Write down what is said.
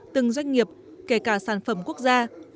từng doanh nghiệp kể cả sản phẩm quốc gia